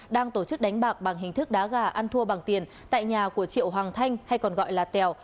đang tổ chức đánh bạc bằng hình thức đá gà ăn thua bằng tiền tại nhà của triệu hoàng thanh hay còn gọi là tèo